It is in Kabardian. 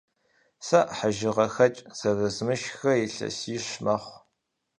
Сэ хьэжыгъэхэкӏ зэрызмышхрэ илъэсищ мэхъу.